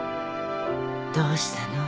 どうしたの？